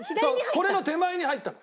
これの手前に入ったの。